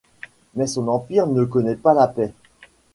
Mais son empire ne connaît pas la paix.